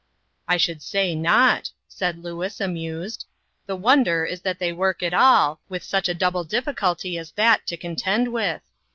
"I should say not," said Louis, amused. " The wonder is that they work at all, with such a double difficulty as that to contend with.